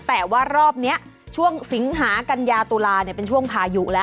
แต่ว่ารอบนี้ช่วงสิงหากัญญาตุลาเป็นช่วงพายุแล้ว